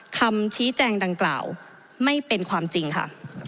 คำชี้แจงดังกล่าวไม่เป็นความจริงค่ะ